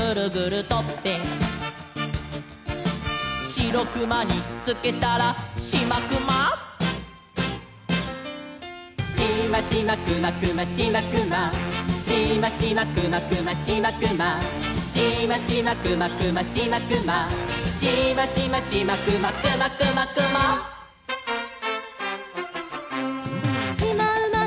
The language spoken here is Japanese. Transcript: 「シロクマにつけたらシマクマ」「シマシマクマクマシマクマ」「シマシマクマクマシマクマ」「シマシマクマクマシマクマ」「シマシマシマクマクマクマクマ」「しまうまのしまをグルグルとって」